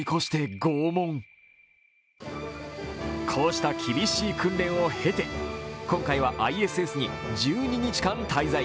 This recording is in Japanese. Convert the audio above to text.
こうした厳しい訓練を経て、今回はＩＳＳに１２日間滞在。